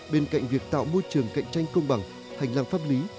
bên cạnh việc tạo môi trường cạnh tranh công bằng hành lang pháp lý